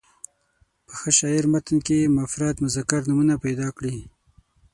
په ښه شاعر متن کې مفرد مذکر نومونه پیدا کړي.